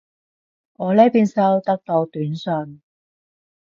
我呢邊收得到短信